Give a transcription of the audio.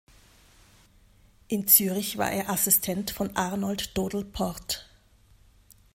In Zürich war er Assistent von Arnold Dodel-Port.